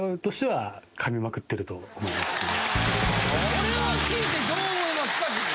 これは聞いてどう思いますか自分？